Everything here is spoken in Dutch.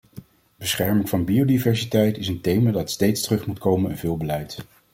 Bescherming van biodiversiteit is een thema dat steeds terug moet komen in veel beleid.